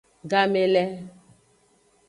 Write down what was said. Game le.